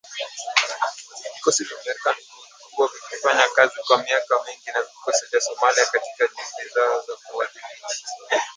Vikosi vya Marekani vimekuwa vikifanya kazi kwa miaka mingi na vikosi vya Somalia katika juhudi zao za kuwadhibiti